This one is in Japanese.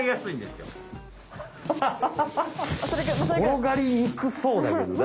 転がりにくそうだけどね！